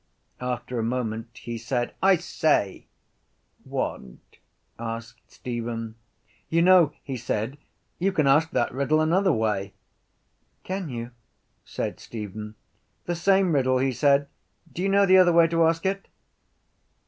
After a moment he said: —I say! —What? asked Stephen. —You know, he said, you can ask that riddle another way. —Can you? said Stephen. —The same riddle, he said. Do you know the other way to ask it?